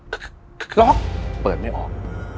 คึกคึกคึกเปิดไม่ออก